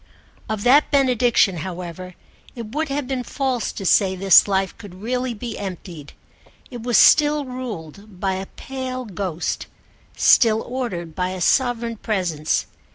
Of that benediction, however, it would have been false to say this life could really be emptied: it was still ruled by a pale ghost, still ordered by a sovereign presence.